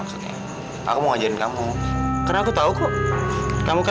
tunggu tunggu tunggu